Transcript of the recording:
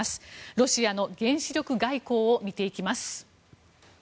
ロシアの原子力外交を見ていきます。